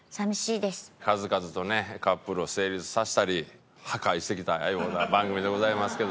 数々とねカップルを成立させたり破壊してきたような番組でございますけども。